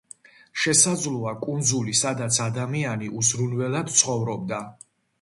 შესაძლოა, კუნძული, სადაც ადამიანი უზრუნველად ცხოვრობდა.